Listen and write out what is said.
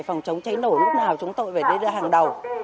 phòng cháy nổ lúc nào chúng tôi phải đến đây là hàng đầu